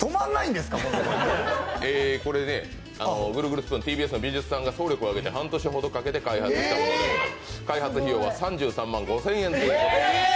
これぐるぐるスプーン、ＴＢＳの美術さんが総力を挙げて半年ほどかけて開発したもので、開発費用は３３万５０００円ということです。